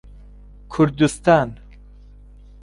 کوردستان